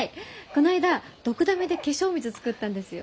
こないだドクダミで化粧水作ったんですよ。